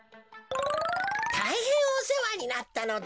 たいへんおせわになったのだ。